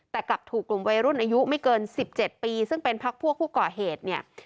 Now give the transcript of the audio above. แต่กลับถูกกลุ่มวัยรุ่นอายุไม่เกิน๑๗ปีซึ่งเป็นพักพวกผู้ก่อเหตุเนี่ย